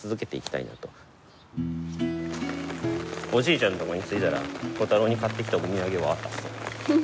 おじいちゃんのとこに着いたら琥太郎に買ってきたお土産を渡そう。